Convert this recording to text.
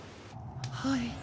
はい。